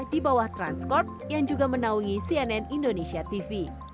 di bawah transkorp yang juga menaungi cnn indonesia tv